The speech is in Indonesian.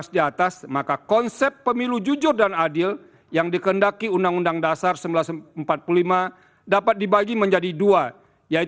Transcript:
yaitu pemilu jujur dan adil dan pemilu jujur dan adil